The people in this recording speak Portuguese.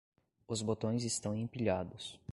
Os botões estão empilhados.